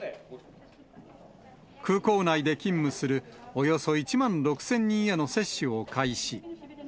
空港内で勤務するおよそ１万６０００人への接種を開始。